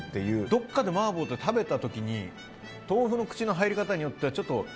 どっかで麻婆って食べた時に豆腐の口の入り方によっては。